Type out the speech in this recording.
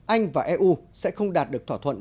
anh và eu sẽ không đạt được thỏa thuận